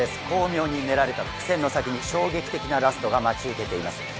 巧妙に練られた伏線の先に衝撃的なラストが待ち受けています。